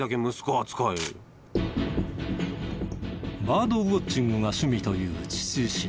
バードウォッチングが趣味という父忍。